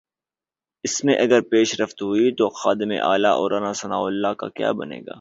اس میں اگر پیش رفت ہوئی تو خادم اعلی اور رانا ثناء اللہ کا کیا بنے گا؟